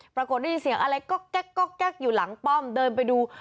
ปรากฏได้ยินเสียงอะไรก็แก๊กอยู่หลังป้อมเดินไปดู